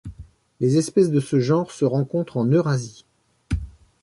Les espèces de ce genre se rencontrent en Eurasie.